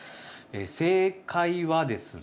正解はですね